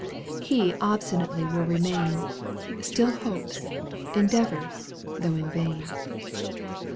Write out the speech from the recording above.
— He obstinately will remain. Still hopes, endeavours, though in vain.